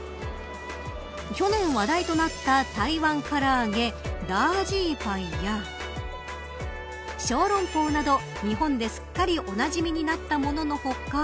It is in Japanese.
去年話題となった台湾からあげダージーパイや小龍包など日本ですっかりおなじみになったものの他